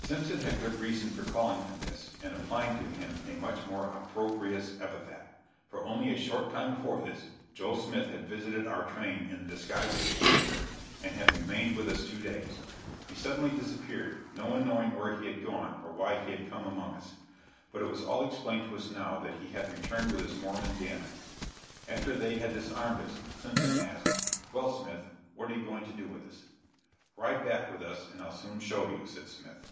Simpson had good reason for calling him this and applying to him a much more opprobrious epithet, for only a short time before this, Joe Smith had visited our train in the disguise of a teamster, and had remained with us two days. He suddenly disappeared, no one knowing where he had gone or why he had come among us. But it was all explained to us now that he had returned with his Mormon Danites. After they had disarmed us, Simpson asked, "Well, Smith, what are you going to do with us?" "Ride back with us and I'll soon show you," said Smith.